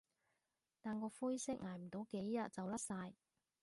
但個灰色捱唔到幾日就甩晒